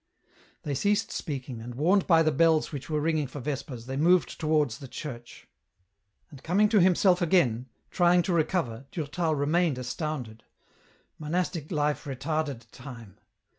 They ceased speaking, and, warned by the bells which were ringing for Vespers, they moved towards the church. And, coming to himself again, trying to recover, Durtal remained astounded. Monastic life retarded time.